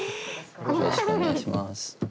よろしくお願いします。